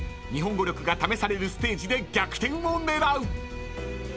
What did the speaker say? ［日本語力が試されるステージで逆転を狙う！］